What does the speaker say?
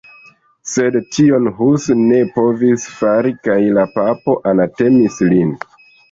Sed tion Hus ne povis fari kaj la papo anatemis lin.